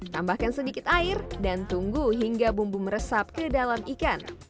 tambahkan sedikit air dan tunggu hingga bumbu meresap ke dalam ikan